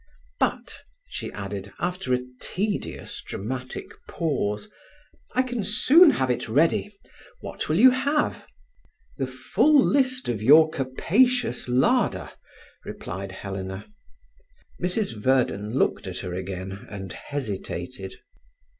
"But," she added, after a tedious dramatic pause, "I can soon have it ready. What will you have?" "The full list of your capacious larder," replied Helena. Mrs Verden looked at her again, and hesitated.